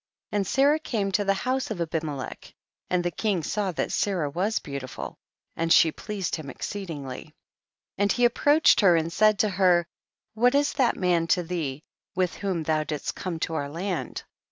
6. And Sarah came to the house of Abimelech, and the king saw that Sarah was beautiful, and she pleased him e.xceedingly. 56 THE BOOK OF JASIIER. 7. And he approached her and said to her, what is that man to thee with whom thou didst come to our land